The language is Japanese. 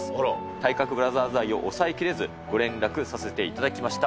体格ブラザーズ愛を抑えきれずご連絡させていただきました。